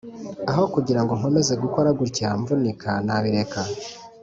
Aho kugirango nkomeze gukora gutya mvunika nabireka